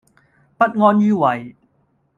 不安於位